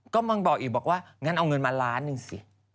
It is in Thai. ก็บอกอยู่ว่างั้นเอาเงินมาล้านหนึ่งสิ